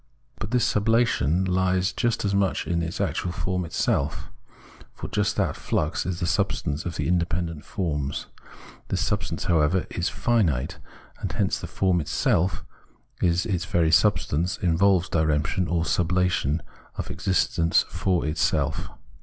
But this sublation lies just as much in the actual form itself. For just that flux is the substance of the independent forms. This substance, however, is infinite, and hence the form itself in its very subsistence involves diremption, or sublation of its existence for itself.